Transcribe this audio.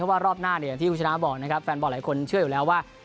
ว่ารอบหน้าเนี่ยอย่างที่คุณชนะบอกนะครับแฟนบอลหลายคนเชื่ออยู่แล้วว่า